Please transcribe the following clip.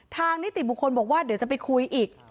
นิติบุคคลบอกว่าเดี๋ยวจะไปคุยอีก